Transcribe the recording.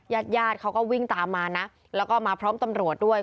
ญาติญาติเขาก็วิ่งตามมานะแล้วก็มาพร้อมตำรวจด้วย